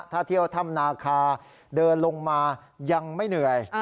ถ้าเที่ยวถ้ำนาคาเดินลงมายังไม่เหนื่อย